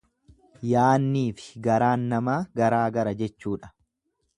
Yaanniifi garaan namaa garaa gara jechuudha.